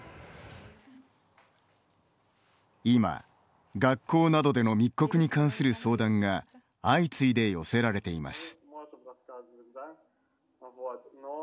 今学校などでの密告に関する相談が相次いで寄せられています。